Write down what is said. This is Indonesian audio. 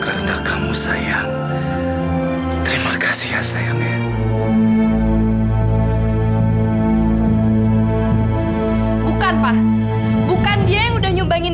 karena kamu sayang terimakasihnya sayang bukan bah bukan kiai udah nyumbangin